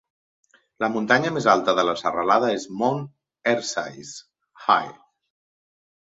La muntanya més alta de la serralada és Mount Erciyes, high.